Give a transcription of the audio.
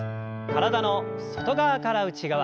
体の外側から内側。